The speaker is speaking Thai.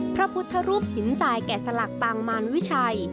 พระพุทธรูปหินทรายแก่สลักปางมารวิชัย